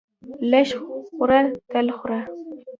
لږ خوره تل خوره!